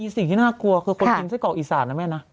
สิ่งที่น่ากลัวคือคนกินไส้กรอกอีสานนะแม่นะ